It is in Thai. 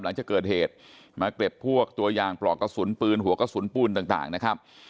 หลังจากเกิดเหตุมาเก็บพวกตัวยางปลอกกระสุนปืนหัวกระสุนปืนต่างนะครับ